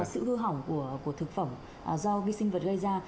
sự hư hỏng của thực phẩm do vi sinh vật gây ra